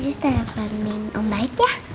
jus udah nge blog main ombaik ya